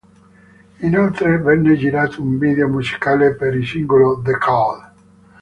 Inoltre venne girato un video musicale per i singolo "The Call".